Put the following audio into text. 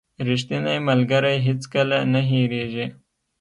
• ریښتینی ملګری هیڅکله نه هېریږي.